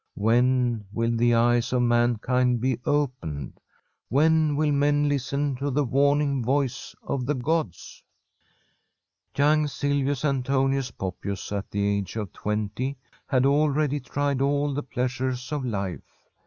When will the eyes o\ mankind be opened? When will men listen to the warning voice of the gods ? Young Silvius Antonius Poppius, at the age of twenty, had already tried all the pleasures of life.